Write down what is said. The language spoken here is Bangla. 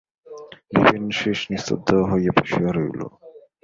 বিপিন শ্রীশ নিস্তব্ধ হইয়া বসিয়া রহিল।